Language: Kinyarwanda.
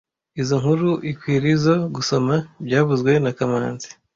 Izoi nkuru ikwirizoe gusoma byavuzwe na kamanzi